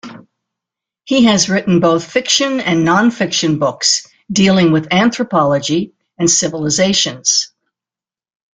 He has written both fiction and non-fiction books dealing with anthropology and civilizations.